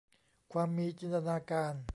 ความมีจินตนาการ